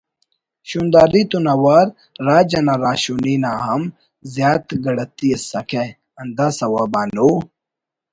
شونداری تون اوار راج انا راہشونی نا ہم زیات گڑتی ئسکہ ہندا سوب آن او